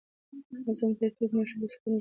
نظم او ترتیب ماشوم ته سکون ورکوي.